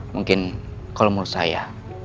mungkin kalau menurut saya